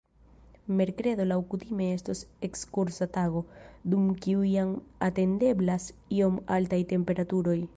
Merkredo laŭkutime estos ekskursa tago, dum kiu jam atendeblas iom altaj temperaturoj.